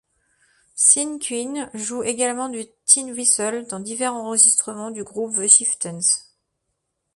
Seán Keane joue également du tin whistle dans divers enregistrements du groupe The Chieftains.